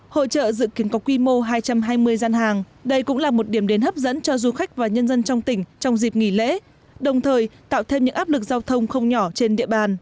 hội trợ dự kiến có quy mô hai trăm hai mươi gian hàng đây cũng là một điểm đến hấp dẫn cho du khách và nhân dân trong tỉnh trong dịp nghỉ lễ đồng thời tạo thêm những áp lực giao thông không nhỏ trên địa bàn